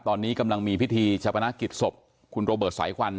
ตอนนี้กำลังมีพิธีชะพนักกิจศพคุณโรเบิร์ตสายควัน